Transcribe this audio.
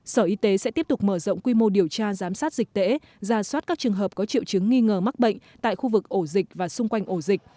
sở y tế sẽ tiếp tục mở rộng quy mô điều tra giám sát dịch tễ ra soát các trường hợp có triệu chứng nghi ngờ mắc bệnh tại khu vực ổ dịch và xung quanh ổ dịch